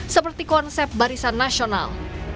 seperti konsep barisan nasional